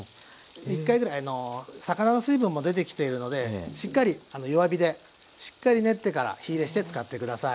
１回ぐらい魚の水分も出てきているのでしっかり弱火でしっかり練ってから火いれして使って下さい。